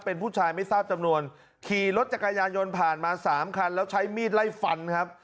เป็นผู้ชายไม่ทราบจำนวนขี่รถจักรยานยนต์ผ่านมาสามคันแล้วใช้มีดไล่ฟันครับ